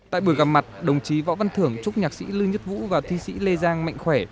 tại buổi gặp mặt đồng chí võ văn thưởng chúc nhạc sĩ lưu nhất vũ và thi sĩ lê giang mạnh khỏe